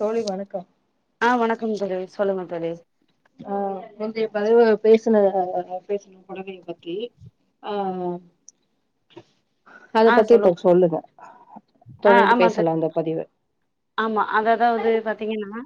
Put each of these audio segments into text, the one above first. தோழி வணக்ககோ ஆ வணக்கம் தோழி சொல்லுங்க தோழி ஆ வந்து பதிவு பேசின பேசின புடவையை பத்தி ஆ [inaudible] அத ஆ பத்தி சொல்லுங் இப்ப சொல்லுங்க ஆ தொடர்ந்து ஆமா தோ பேசலாம் அந்த பதிவு ஆமா அதாவது பாத்தீங்கன்னா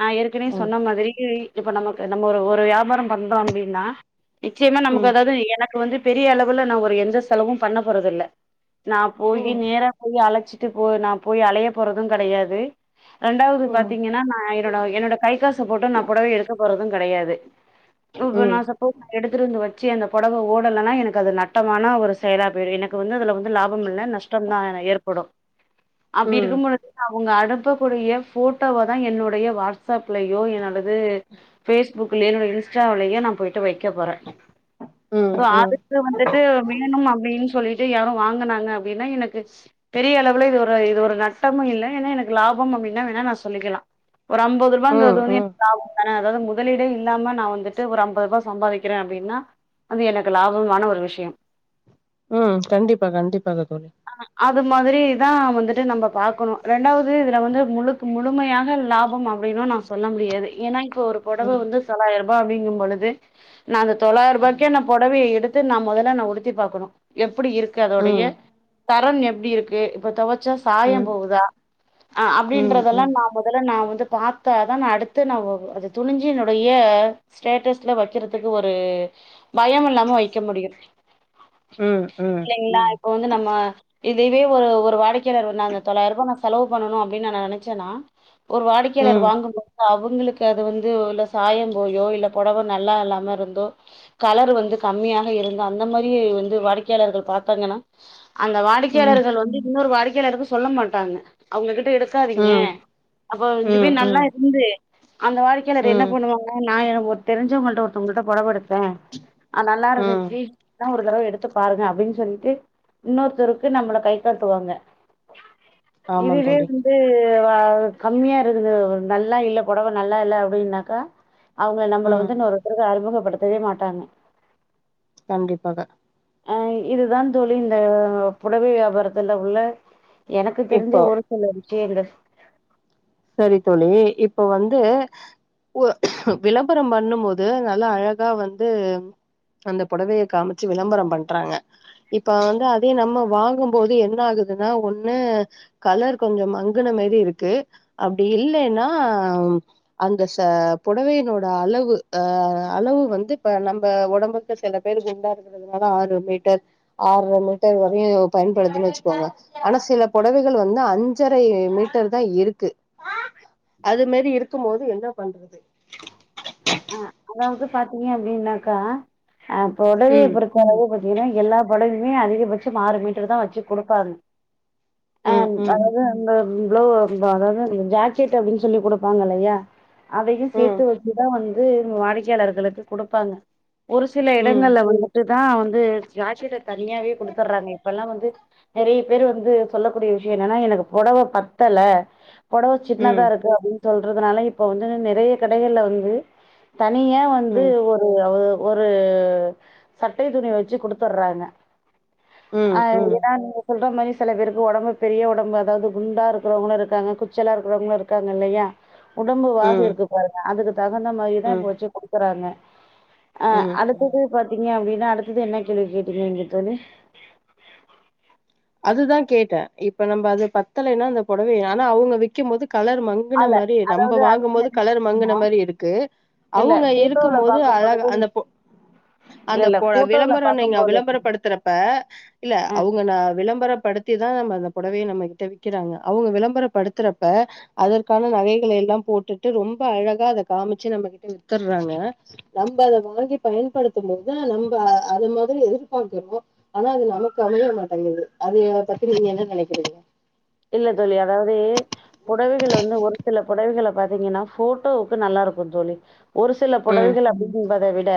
நான் ஏற்கன ம் சொன்ன மாதிரி இப்ப நமக்கு நம்ம ஒரு வியாபாரம் பண்றோம் அப்படின்னா நிச்சயமா நமக்கு ம் அதாவது எனக் எனக்கு வந்து பெரிய அளவுல நான் ஒரு எந்த செலவும் பண்ண போறத இல்ல நான் போய் ம் நேர போய் அழைச்சி விட்டு போ நான் போய் அலைய போறது கிடையாது ரெண்டாவது ம் பாத்தீங்கன்னா நான் என்னோட என்னோட கை காச போட்டு நான் புடவே எடுக்க போறது கிடையாது அப்ப ம் நான் சப்போஸ் எடுத்து வந்து வச்சே வச்சு அந்த புடக ஓடலைனா எனக்கு அது நட்டமான ஒரு செயலா போயிடு எனக்கு வந்து அதுல வந்து லாபம் இல்ல நஷ்டம் தா என ஏற்படும் அப்படி இருக்கு ம் பொழுது அவங்க அனுப்பக்கூடிய போட்டோவை தான் என்னுடைய வாட்ஸ்ப் வாட்ஸ்அப்லயோ என்னோடது பேஸ்புக்லயோ என்னோட இன்ஸ்டாவிலயோ நா போயிட்டு வைக்க போறே ம் ஒ ம் அதுக்கு வந்துட்டு வேணு அப்டின் சொல்லிட் டு யாரு வாங்கினாங்க அப்டின்னா எனக்கு பெரிய அளவுல இது ஒரு இது ஒரு நட்டமு இல்ல [inaudible] எனக்கு லாப அப்டின்னா வேணா நா சொல்லிக்கிளா ஒரு அம்பது ரூபாங்கிறது ம் வந்து ம் எனக்கு லாப தான அதாவுது முதலீடே இல்லாம நா வந்துட்டு ஒரு அம்பது ரூவா சம்பாதிக்கிறே அப்டின்னா அது எனக்கு லாபமான ஒரு விஷ்யோ ம் கண்டிப்பா கண்டிப்பாக தோழி அ அது மாதரிதா வந்துட்டு நம்ப பாக்குணு ரெண்டாவது இதுல வந்து முழுக் முழுமையாக லாப அப்டின்னு நா சொல்ல முடியாது ஏன்னா இப்ப ஒரு பொடவ ம் வந்து தொள்ளாயிர ருபா அப்டிங்கு பொழுது நா அந்த தொள்ளாயிர ம் ருபாய்க்கே பொடவய எடுத் து நா மொதல்ல நா உடுத்தி பாக்கணு எப்டி இருக்கு அதோடைய ம் தரன் எப்டி இருக்கு இப்ப தொவ ச்ச சாய ம் போகுதா ம் ம் அப்டின்றதெல்லா ம் நா மொதல்ல நா வந்து பாத்தா தா நா அடுத்து நா ஒ ஒ அது துணிஞ்சு என்னுடைய ஸ்டேட்டஸ்ல வைக்கிறதுக்கு ஒரு பயோ இல்லாம வைக்க முடியு ம் ம் இல்லைங்களா இப்ப வந்து நம்ம இததுவே ஒரு ஒரு வாடிக்கையாளர் வந்தாங்க தொள்ளாயிர ரூபா நா செலவு பண்ணணும் அப்டின்னு நெனைச்சேன் ஒரு வாடிக்கையாளர் ம் வாங்கு போ து அவுங்களுக்கு அது வந்து இல்ல சாய போயோ இல்ல பொடவ நல்லா இல்லாம இருந்தோ கலரு வந்து கம்மியாக இருந்து அந்த மாரி வந்து வாடிக்கையாளர்கள் பாத்தாங்கன்னா அந்த வாடிக்கையாளர்கள் வந்து இன்னொரு வாடிக்கையாளருக்கு சொல்ல மாட்டாங்க அவுங்ககிட் ட எடுக்காதீங்க ம் அப்போ இதுவே ம் நல்லாருந்து அந்த வாடிக்கையாளர் என்ன ம் பண்ணுவாங்க நா என ஒரு தெரிஞ்சவங்கள்ட்ட ஒருத்தவங்கள்ட்ட பொடவ எடுத்தே அ நல்லா ம் இருந்துச்சு தா ஒரு தடவ எடுத்து பாருங்க அப்டின்னு சொல்லிட்டு இன்னொருத்தக்கு நம்மள கை காட்டுவாங்க ஆமா இதுவே தோழி வந்து [unintelligible] கம்மியா இருக்குது நல்லா இல்ல பொடவ நல்லா இல்ல அப்டின்னாக்கா அவுங்கள நம்மள ம் வந்து இன்னொருத்தருக்கு அறிமுகப்படுத்தவே மாட்டாங்க கண்டிப்பாக அ இதுதா தோழி இந்த பொடவை வியாபாரத்துல உள்ள எனக்கு தெரிஞ்ச இப்போ ஒரு சில விஷ்யங்கள் சரி தோழி இப்ப வந்து ஓ விளம்பர பண்ணு போது நல்லா அழகா வந்து அந்த பொடவைய காமிச்சு விளம்பர பண்றாங்க இப்ப வந்து அதே நம்ம வாங்கபோது என்ன ஆகு துனா ஒண்ணு கலர் கொஞ்சோ மங்குன மேரி இருக்கு அப்டி இல்லைன்னா அந்த ச பொடவையினோட அளவு அ அள வு வந்து இப்ப நம்ம ஒடம்புக்கு சில பேர் குண்டா இருக்கிறதுனால ஆறு மீட்டர் ஆற்ற மீட்டர் வரு [inaudible] பயன்படுதுன்னு வச்சுக்கோங்க ஆனா சில பொடவைகள் வந்து அஞ்சரை மீட்டர் தா இருக்கு அது மாரி இருக்கு போது ஏன்னா பண்றது அதாவது பாத்தீங்க அப்டின்னாக்கா அ பொடவையா ம் பொறுத்தளவு கொ அதேதா எல்லா பொடவையுமே அதிகபட்ச ஆறு மீட்டர் தா வச்சு குடுப்பாங்க அ ம் ம் அதாவுது அந்த ப்ளெ அதாவுது ஜாக்கெட் அப்டின் சொல்லி குடுப்பாங்க இல்லையா அதையு சேத்து ம் வச்சுதா வந்து வாடிக்கையாளர்களுக்கு குடுப்பாங்க ஒரு சில ம் எடங்கள்ல வந்துட்டுதா வந்து ஜாக்கெட் தணியாவே குடுத்துர்றாங்க இப்பெல்லா வந்து நெறைய பேரு வந்து சொல்லக்கூடிய விஷ்யோ என்னன்னா எனக்கு பொடவ பத்தல பொடவ சின்னதா ம் இருக்கு அப்டின்னு சொல்றதுனால இப்ப வந்து நெறைய கடைகள்ல வந்து தனியா வந்து ம் ஒரு அ ஒரு சட்டை துணி வச்சு குடுத்துர்றாங்க அ ம் ம் ஏன்னா நீங்க சொல்ற மாரி செல பேருக்கு ஒடம்பு பெரிய ஒடம்பு அதாவுது குண்டா இருக்கிறவங்களு இருக்காங்க குச்சலா இருக்கிறவங்களு இருக்காங்க இல்லையா ம் உடம்புவாகு இருக்கு ம் பாருங்க அதுக்கு தகுந்த மாரிதா இப்போ வச்சு குடுக்குறாங்க ஆ ம் ம் அதுக்குக பாத்தீங்க அப்டின் ஏன்னா அடுத்தது என்ன கேள்வி கேட்டீங்க நீங்க தோழி அதுதா கேட்டே இப்ப நம்ம அது பத்தலேனா அந்த பொடவை ஆனா அவுங்க விக்கம் போது கலர் மங்குன ஆல மாரி நம்ப அதாவது அடுத்து வாங்கும் என்ன போது கலர் மங்குன கேட்டீங்கன்னா மாரி இருக்கு இல்ல அவுங்க இருக்கும் போட்டோல போது பாக்கும் அழகா பொழுது அந்த பொ இல்ல அந்த இல்ல பொ போட்டோல விளம்பரோ பாக்கும் நீங்க பொழுது விளம்பரப்படுத்துறப்ப இல்ல ஆ அவுங்க நா விள விளம்பரப்படுத்தி தா நம்ம அந்த பொடவைய நம்ம கிட்ட விக்கிறாங்க அவுங்க விளம்பரப்படுத்துறப்ப அதற்கான நகைய நகைகலேலா போட்டுட்டு ரொம்ப அழகா அத காமிச்சு நம்ம கிட்ட வித்தற்றாங்க நம்ப அத வாங்கி ப பயன்படுத்தும் போதுதா நம்ம அது மாதிரி எதிர்பாக்குறோ ஆனா அது நமக்கு அமைய மாட்டேங்குது அது பத்தி நீங்க என்ன நெனைக்கிறீங்க இல்ல தோழி அதாவது புடவைகள் வந்து ஒரு சில புடவைகள பாத்தீங்கன்னா போட்டோவுக்கு நல்லாருக்கு தோழி ஒரு சில ம் புடவைகள் அப்டிம்பத விட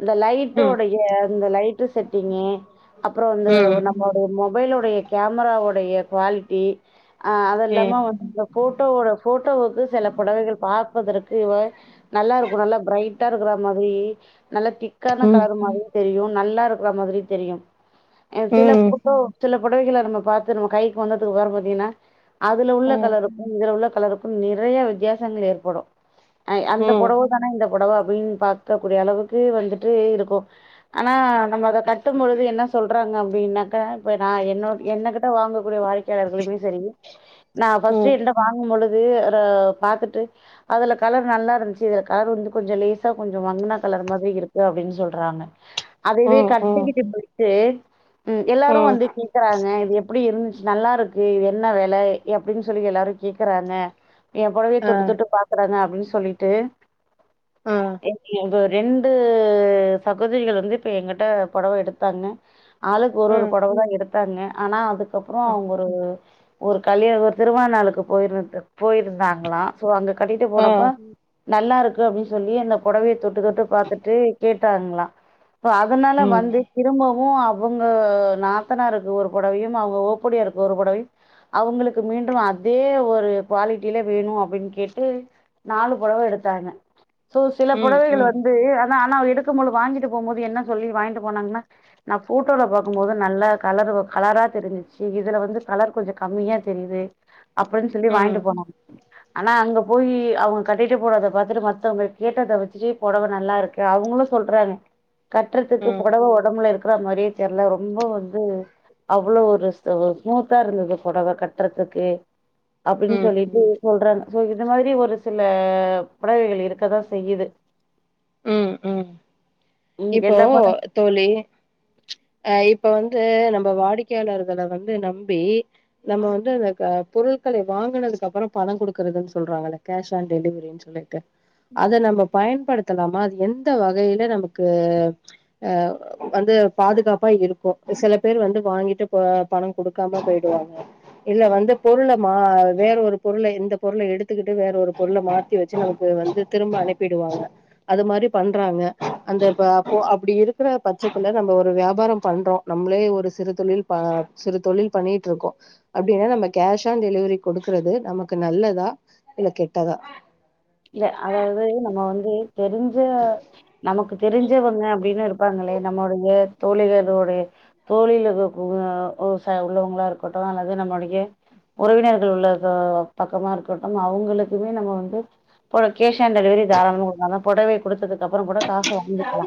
இந்த ம் லைட்டோடைய இந்த லைட்டு செட்டிங்கு அப்பறோ இந்த நம்மோடைய மொபைலுடைய கேமராவுடைய குவாலிட்டி ஆ அது ம் இல்லாம வந்து போட்டோவோட போட்டோவுக்கு சில புடவைகள் பார்ப்பதற்க் கு வ நல்லாருக்கு நல்லா பிரைட்டா இருக்குற மாரி நல்லா திக்கான ம் கலர் மாரியு தெரியு நல்லா இருக்கற மாதிரியு தெரியும் சில ம் போட்டோ சில புடவைகள நம்ம பாத்து நம்ம கைக்கு வந்ததுக் அப்பறோ பாத்தீங்கனா அதுல உள்ள ம் ம் கலருக்கு இதுல உள்ள கலருக்கும் நிறைய வித்தியாசங்கள் ஏற்படு அ அந்த ம் புடவ தான இந்த புடவ அப்டின் பாக்கக்கூடிய அளவுக்கு வந்துட்டு இருக்கு ஆனா நம்ம அத கட்டும்பொழுது என்ன சொல்றாங்க அப்டின்னாக்க இப்ப நா என்னோட என்ன கிட்ட வாங்கக்கூடிய வாடிக்கையாளர்களுமே சரி நா ஃபஸ்டு என்ட வாங் பொழுது ரொ பாத்துட்டு அதுல கலர் நல்லா இருந்ச்சு இதுல கலர் வந்து கொஞ்ச லேசா கொஞ்ச மங் ன்ன கலர் மாதிரி இருக்கு அப்டின் சொல்றாங்க அது இதயே ம் ம் ம் கட்டிகிட்டு போய்ட்டு ம் எல்லாரு ம் வந்து கேக்குறாங்க இது எப்புடி இருந்ச் நல்லாருக்கு இது என்ன வெல எப்டின் சொல்லி எல்லாரு கேக்குறாங்க ஏ பொடவய ஆ தொட்டு தொட்டு பாக்குறாங்க அப்டின் சொல்லிட்டு ஆ [unintelligible] ரெண்டு சகோதரிகள் வந்து இப்ப எங்கிட்ட பொடவ எடுத்தாங்க ஆளுக்கு ஒரு ஆ ஒரு பொடவ தா எடுத்தாங்க ஆனா அதுக்கப்பறோ ஆ அவுங்க ஒரு ஒரு கல்யாண ஒரு திருமணநாளுக்கு போயிருந்து போயிருந்தாங்ளா சோ அங்க கட்டிட்டு ஆ. போனப்ப நல்லாருக்கு அப்டின் சொல்லி அந்த புடவைய தொட்டு தொட்டு பாத்துட்டு கேட்டாங்ளா இப்ப அதுனால ம் வந்து திரும்பவு அவுங்க நாத்தனாருக்கு ஒரு புடவையும் அவுங்க ஒ ஒப்புடியாருக்கு ஒரு புடவையு அவுங்களுக்கு மீண்டும் அதே ஒரு குவாலிட்டிலே வேணு அப்டின் கேட்டு நாலு புடவ எடுத்தாங்க சோ சில ம் புடவைகள் ம் வந்து னா ஆனா எடுக்கும்போது வாங்கிட்டு போம்போது என்ன சொல்லி வாங்கிட்டு போனாங்ன்னா நா போட்டோல பாக்கும்போது நல்ல கலர் சோ கலரா தெருஞ்சுச் சு இதுல வந்து கலர் கொஞ்ச கம்மியா தெரிது அப்டின் சொல்லி ம் வாங்கிட்டு போனோ ஆனா அங்க போய் அவுங்க கட்டிட்டு போறத பாத்துட்டு மத்தவுங்க கேட்டத வச்சு பொடவ நல்லாருக்கு அவு [unintelligible] சொல்றாங்க கட்றதுக்கு ம் பொடவ ஒடம்புல இருக்குறா மாரியே தெர்ல ரொம்ப வந்து அவ்ளோ ஒரு அவ்ளோ ஸ்மூத்தா இருந்தது பொடவ கட்றதுக்கு அப்டின் ம் சொல்லிட்டு ம் சொல்றாங்க சோ இது மாரி ஒரு சில புடவைகள் இருக்கதா செய்யிது ம் ம் ம். இப்போ எல்லா படம் தோழி அ இப் இப்ப வந்து நம்ம வாடிக்கையாளர்கள வந்து நம்பி நம்ம வந்து அந்த க பொருட்களை வா வாங்குனதுக்கப்பறோ பணங்குடுக்கறதுன் சொல்றாங்கல்ல கேஷ் ஆன் டெலிவரின் சொல்லிட்டு அத நம்ம பயன்படுத் தலாமா அது எந்த வகையில நமக்கு அ வந்து பாதுகாப்பா இருக்கு சில பேர் வந்து வாங்கிட்டு போ பணம் குடுக்காம போய்டுவாங்க இல்ல வந்து பொருள மா வேற ஒரு பொருள இந்த பொருள எடுத்துகிட்டு வேற ஒரு பொருள மாத்தி வச்சு நமக்கு வந்து திரும்ப அனுப்பிடுவாங்க அது மாரி பண்றாங்க அந்த இப்ப அப்போ அப்டி இருக்குற பச்சத்துல நம்ம ஒரு வியாபாரம் பண்றோ நம் பளே ஒரு சிறு தொழில் ப சிறு தொழில் பண்ணிட்ருக்கொ அப்டின்னா நம்ம கேஷ் ஆன் டெலிவரி குடுக்கறது து நமக்கு நல்லதா இல்ல கெட்டதா இல்ல அதாவது நம்ம வந்து தெரிஞ்ச நமக்கு தெரிஞ்சவங்க அப்டினு இருப்பாங்களே நம்மொடைய தோழிகளோடை தோழிக உ ச உள்ளவங்க ளா இருக்கட்டு அல்லது நம்ளொடய உறவினர்கள் உள்ளத பக்கமா இருக்கட்டும் அவங்களுக்குமே நம்ம வந்து ப்போ கேஷ் ஆன் டெலிவரி தாராளமா குடுக்கலா ஆனா புடவைய குடுத்ததுக்கப்பறங்கூட காச வாங்கிக்லா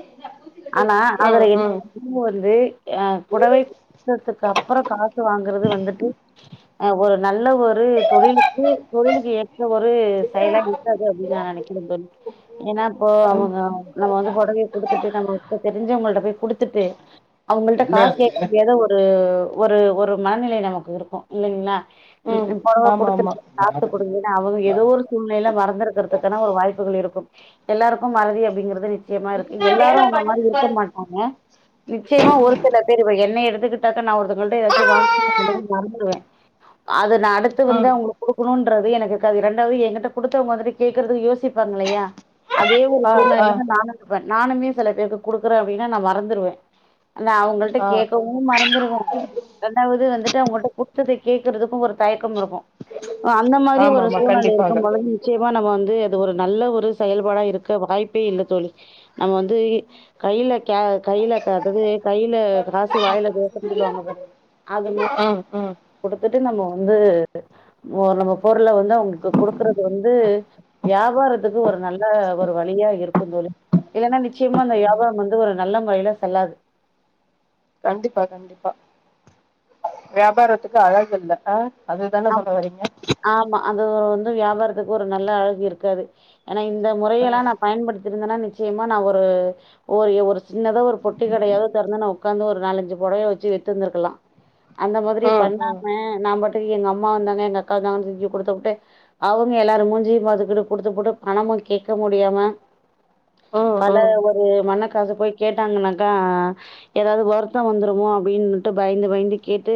ஆனா அதுல என் ம் னு வந்து அ புடவை குடுத்ததுக்கு அப்பற காசு வாங்க ங்றது வந்துட்டு அ ஒரு நல்ல ஒரு தொழிலுக்கு தொழிலுக்கு ஏற்ற ஒரு செயலா இரு காது அப்டின் நா நெனைக்கற தோழி ஏனா ப்போ ம் அவங்க நம்ம வந்து புடவைய குடுத்துட்டு நம்ம தெரிஞ்சவுங்கள்ட போய் குடுத்துட்டு அவங்கள்ட காசு கேக்க முடியாத ஒரு ஒரு ஒரு மனநிலை நமக்கு இருக்கு இல்லைங்ளா நீ ம் பொடவ ஆமா ஆமா குடுத்துருக்க காசு குடுக்கலினா அவுங்க எதோ ஒரு சூழ்நிலைல மற க்கிறதுக்கான ஒரு வாய்ப்புகள் இருக்கும் எல்லாருக்கும் மறதி அப்டிங்கறது நிச்சயமா இருக்கு என்ன எல்லாரு வேல அந்த மாரி பண்ணுது இருக்க பாரு மாட்டாங்க நிச்சயமா ஒரு சில பேர் இப்ப என்னை எடுத்துக் டாக்க நா ஒருத்தங்கள்ட்ட இத வச்சு வாங்குன அப்டின்றத மறந்துருவே அது நா அடுத்து வந்து அவங்ளுக்கு குடுக்கனுன் ன்றது எனக்கிருக்காது ரெண்டாவது ஏங்கிட்ட குடுத்தவங்க வந்துட்டு கேக்குறது யோசிப்பாங்கல்லியா அதே ஒரு ஆ ஆ சூழ்நிலைல தா நானிருப்பே நானுமே சில பேருக்கு குடுக்கறே அப்டினா நா மறந்துருவ இல்ல அவுங்கள்ட்ட ஆ ஆ கேக்கவு மறந்துருவ ரெண்டாவது வந்துட்டு அவங்கள்ட குட்த்தது கேக்கறதுக்கு ஒரு தயக்கம் இருக்கு அ அந்த மாரி ஆமா ஒரு ஆமா சூழ்நில கண்டிப்பாக இருக்கும்பொழுது நிச்சயமா நம்ம வந்து அது ஒரு நல்ல ஒரு செயல்பாடா இருக்க வாய்ப்பே இல்ல தோழி நம்ம வந்து கைல கே கைல அதாது கைல காசு வாய்ல கேக்குன் சொல்லுவாங்க பாருங்க அது மாரி ம் ம் காசு குடுத்துட்டு நம்ம வந்து நம்ம பொருள வந்து அவங்களுக்கு குடுக்குற வந்து வியாபாரத்துக்கு ஒரு நல்ல ஒரு வழியா இருக்குந் தோழி இல்லனா நிச்சயமா அந்த ம் வியாபாரம் வந்து ஒரு நல்ல முறையில செல்லாது கண்டிப்பா கண்டிப்பா வியாபாரத்துக்கு அழகில்ல அ அ ஆமா அது வந் து வியாபாரத்துக்கு ஒரு நல்ல அழகு இருக்காது ஏனா இந்த ஆ முறையெலா நா பயன்படுத்திருந்தனா நிச் நிச்சயமா நா ஒரு ஒரு ஒரு சின்னதா ஒரு பொட்டி கடையாவது தெறந்து நா உக்காந்து ஒரு நாலஞ்சு பொடவைய வச்சு வி த்திருந்திருக்கலா அந்த மாதிரி ம் ம் பண்ணாம நாம் பாட்டு எங்க அம் மா வந்தாங்க எங்க அக்கா வந்தாங்கன் தூக்கி குடுத்துபுட்டு அவங்க எல்லாரு மூஞ்சிய பாத்துகிட்டு குடுத்துபுட்டு பணமு கேக்க முடியாம ம் பல ம் ஒரு மனக்கச போய் கேட்டாங்கனாக்கா எதாது வருத்த வந்துருமோ அப்டின்னுட்டு பயந்து பயந்து கேட்டு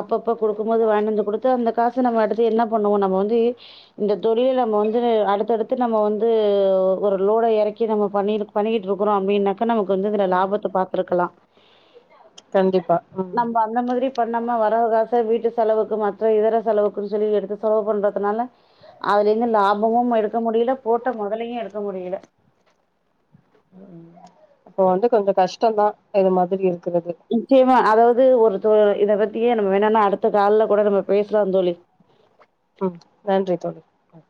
அப்பப்ப குடுக்கும் போது வேண்டான் சொ குடுத்து அந்த காச நம்ம அடுத்து என்ன பண்ணுவோ நம்ம வந்து இந்த தொழில் நம்ம வந்து அடுத்தடுத்து நம்ம வந்து து ஒரு லோட எறக்கி நம்ம பண்ணிரு பண்ணிகிட்ருக்கறோ அப்டினாக்க நமக்கு வந்து இதுல ம் லாபத்த பாத்துருக்கலா கண்டிப்பா ம் பண்ணாம வரவு காச வீட்டு செலவுக்கு மற்ற இதர செலவுக்குன் சொல்லி எடுத்து செலவு பண்றதுனால அதுல இருந்து லாபமும் எடுக்க முடியல போட்ட மொதலையு எடுக்க முடியல ம் அப்ப வந்து கொஞ்ச கஷ்டந்தா இது மாதிரி இரு நிச்சயமா அதாவுது ஒரு தோ இத பத்தியே நம்ம வேணுனா அடுத்த கால்ல கூட நம்ம பேசலாந்தோழி ம் நன்றி தோழி ம்